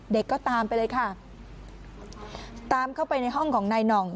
เด็กก็ตามไปเลยค่ะตามเข้าไปในห้องของนายหน่อง